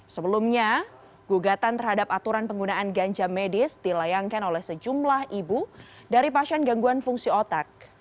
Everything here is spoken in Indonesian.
sebelumnya gugatan terhadap aturan penggunaan ganja medis dilayangkan oleh sejumlah ibu dari pasien gangguan fungsi otak